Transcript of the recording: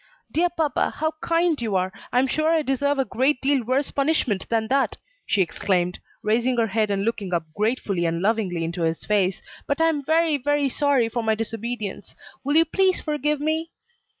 "Dear papa how kind you are! I am sure I deserve a great deal worse punishment than that," she exclaimed, raising her head and looking up gratefully and lovingly into his face, "but I am very, very sorry for my disobedience; will you please forgive me?"